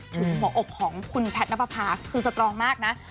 ถึงหัวอกของคุณแพทย์นับประพาคือสตรองมากนะ